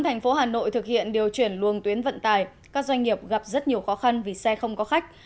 thành phố hà nội thực hiện điều chuyển luồng tuyến vận tải các doanh nghiệp gặp rất nhiều khó khăn vì xe không có khách